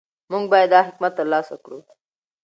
موږ باید دا حکمت ترلاسه کړو.